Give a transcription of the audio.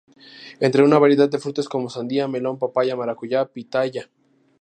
Entre una variedad de frutas como: Sandía, Melón, Maracuyá, Pitahaya.